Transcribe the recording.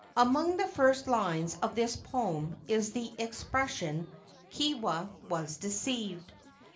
Among the first lines of this poem is the expres¬ sion, "Kewa was deceived."